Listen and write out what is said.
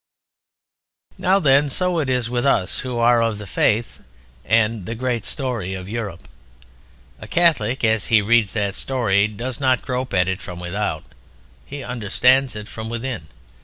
Now then, so it is with us who are of the Faith and the great story of Europe. A Catholic as he reads that story does not grope at it from without, he understands it from within.